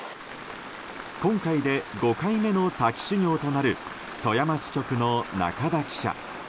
今回で５回目の滝修行となる富山支局の中田記者。